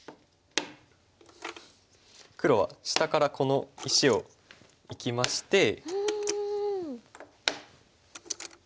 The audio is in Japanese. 黒は下からこの石を生きまして。